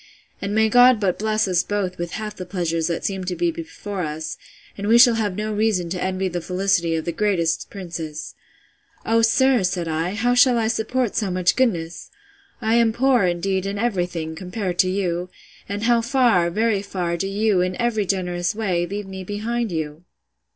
and may God but bless us both with half the pleasures that seem to be before us, and we shall have no reason to envy the felicity of the greatest princes!—O sir, said I, how shall I support so much goodness! I am poor, indeed, in every thing, compared to you! and how far, very far, do you, in every generous way, leave me behind you!